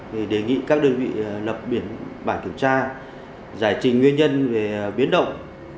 thì đề nghị các đơn vị lập biển bảng kiểm tra giải trình nguyên nhân về biến động